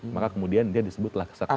maka kemudian dia disebutlah kesaksian